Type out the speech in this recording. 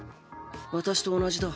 私と同じだ。